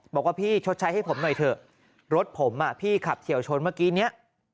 บอกว่าพี่ชดใช้ให้ผมหน่อยเถอะรถผมอ่ะพี่ขับเฉียวชนเมื่อกี้เนี่ย